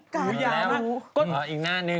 อยู่ยาวอีกหน้านึง